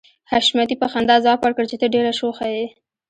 حشمتي په خندا ځواب ورکړ چې ته ډېره شوخه يې